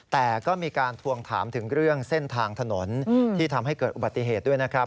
แต่ก็มีการทวงถามถึงเรื่องเส้นทางถนนที่ทำให้เกิดอุบัติเหตุด้วยนะครับ